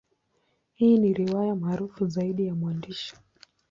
Hii ni riwaya maarufu zaidi ya mwandishi.